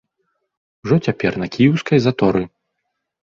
Ужо цяпер на кіеўскай заторы.